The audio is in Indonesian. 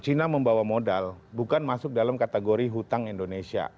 china membawa modal bukan masuk dalam kategori hutang indonesia